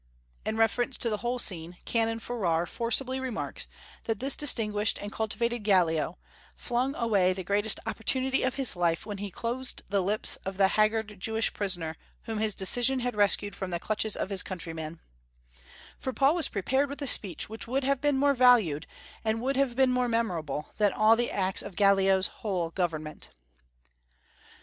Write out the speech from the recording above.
In reference to the whole scene, Canon Farrar forcibly remarks that this distinguished and cultivated Gallio "flung away the greatest opportunity of his life, when he closed the lips of the haggard Jewish prisoner whom his decision had rescued from the clutches of his countrymen;" for Paul was prepared with a speech which would have been more valued, and would have been more memorable, than all the acts of Gallio's whole government.